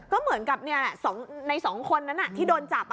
ก็เหมือนกับใน๒คนนั้นที่โดนจับ